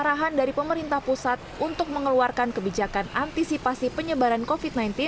arahan dari pemerintah pusat untuk mengeluarkan kebijakan antisipasi penyebaran covid sembilan belas